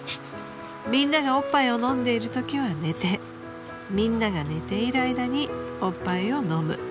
［みんながおっぱいを飲んでいるときは寝てみんなが寝ている間におっぱいを飲む］